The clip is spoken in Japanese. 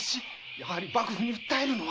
やはり幕府に訴えるのは！